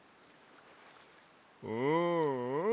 うんうん。